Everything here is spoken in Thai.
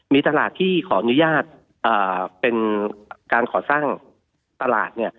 มีตลาดที่ขออนุญาตเป็นการก่อสร้างตลาด